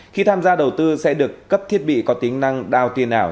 khi tham gia đầu tư sẽ được cấp thiết bị có tính năng đào tiền ảo